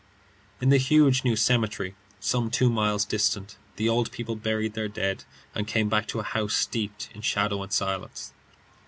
III. In the huge new cemetery, some two miles distant, the old people buried their dead, and came back to a house steeped in shadow and silence.